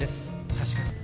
確かに。